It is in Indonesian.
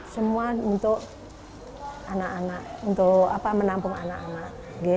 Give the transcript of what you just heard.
semua untuk anak anak untuk menampung anak anak